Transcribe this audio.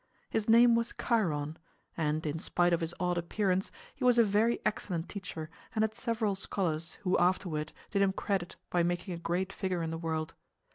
His name was Chiron; and in spite of his odd appearance, he was a very excellent teacher and had several scholars who afterward did him credit by making a great figure in the world.